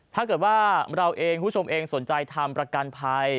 ถ้าเกิดว่าเราเองคุณผู้ชมเองสนใจทำประกันภัย